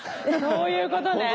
そういうことね。